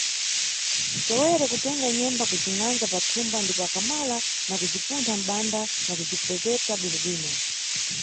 Tewere kutenga nyemba kuzingʼanza pa thumba ndipo akamala na khuzipuntha mʼbanda nakuzipepeta bwinobwino.